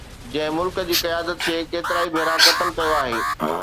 جنهن ملڪ جي قيادت کي ڪيترائي ڀيرا قتل ڪيو آهي